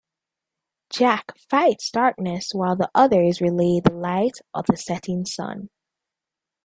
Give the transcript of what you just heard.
Jack fights Darkness while the others relay the light of the setting sun.